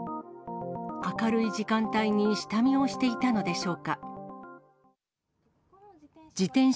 明るい時間帯に下見をしていたのでしょうか。